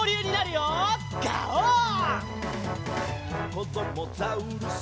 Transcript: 「こどもザウルス